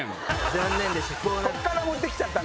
残念でした。